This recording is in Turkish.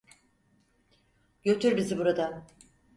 Götür bizi buradan.